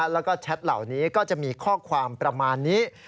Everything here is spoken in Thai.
แล้วก็แชทเหล่านี้ก็จะมีข้อความประมาณนี้